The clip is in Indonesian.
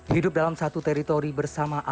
hidup dalam satu teritori bersama anak